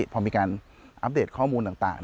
พอมีการอัปเดตข้อมูลต่าง